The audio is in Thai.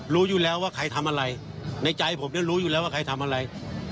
รู้อยู่แล้วว่าใครทำอะไรในใจผมเนี่ยรู้อยู่แล้วว่าใครทำอะไร